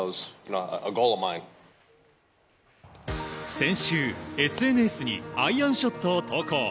先週、ＳＮＳにアイアンショットを投稿。